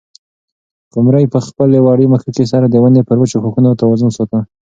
قمرۍ په خپلې وړې مښوکې سره د ونې پر وچو ښاخونو توازن ساته.